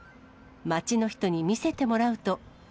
街の人に見せてもらうと。